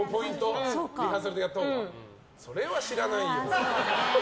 それは知らないよ。